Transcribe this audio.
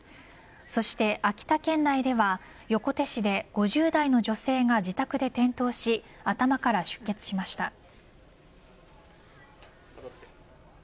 そして秋田県内では横手市で５０代の女性が自宅で転倒し頭から出血しました。